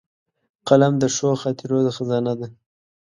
قلم د ښو خاطرو خزانه ده